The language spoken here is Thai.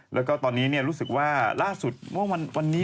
แล้วก็ตอนนี้รู้สึกว่าล่าสุดเมื่อวันนี้